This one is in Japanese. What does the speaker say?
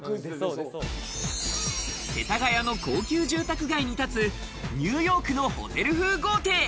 世田谷の高級住宅街に立つニューヨークのホテル風豪邸。